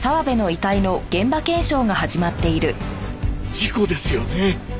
事故ですよね？